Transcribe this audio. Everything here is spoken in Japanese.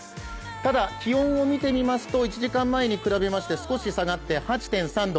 ただ、気温を見てみますと１時間前に比べて少し下がって、８．３度。